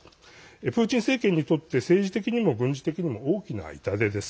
プーチン政権にとって政治的にも軍事的にも大きな痛手です。